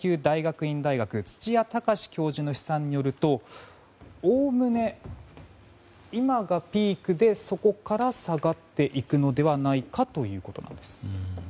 大学院大学土谷隆教授の試算によるとおおむね、今がピークでそこから下がっていくのではないかということです。